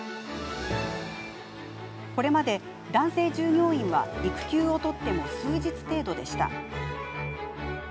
これまで男性従業員は育休を取っても数日程度でした。